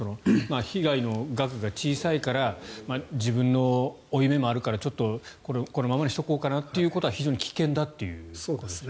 被害の額が小さいから自分の負い目もあるからちょっとこのままにしておこうかなということは非常に危険だということですよね。